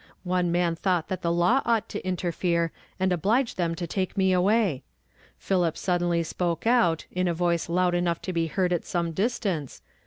One man thought that the law ought to interfere, and ohlige them to take me away. Philip suddenly spoke out, in a voice loud enouoh to be heard at some distance.